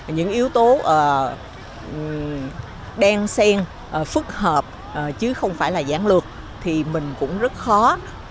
những yếu tố đen sen phức hợp chứ không phải là giản lược thì mình cũng rất khó là tìm hiểu bên ngoài